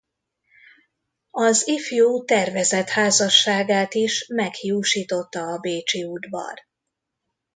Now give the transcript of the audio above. Az ifjú tervezett házasságát is meghiúsította a bécsi udvar.